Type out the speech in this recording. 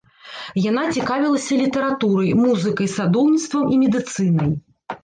Яна цікавілася літаратурай, музыкай, садоўніцтвам і медыцынай.